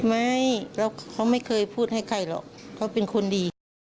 ไม่แล้วเขาไม่เคยพูดให้ใครหรอกเขาเป็นคนดี